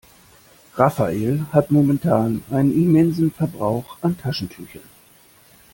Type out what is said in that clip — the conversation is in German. Rafael hat momentan einen immensen Verbrauch an Taschentüchern.